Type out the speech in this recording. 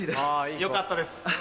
よかったです。